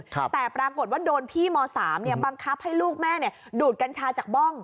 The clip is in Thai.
แต่ปรากฏว่าโดนพี่ม๓บังคับให้ลูกแม่ดูดกัญชาจากบ้อง